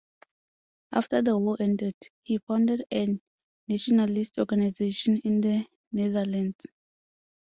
After the war ended, he founded a nationalist organization in the Netherlands.